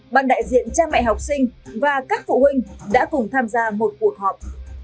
ban đại diện cha mẹ học sinh và các phụ huynh đã cùng tham gia một cuộc họp